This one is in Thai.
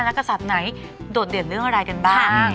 กษัตริย์ไหนโดดเด่นเรื่องอะไรกันบ้าง